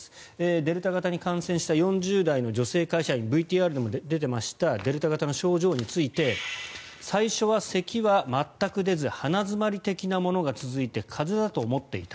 デルタ型に感染した４０代の女性会社員ＶＴＲでも出ていましたデルタ型の症状について最初は、せきは全く出ず鼻詰まり的なものが続いて風邪だと思っていた。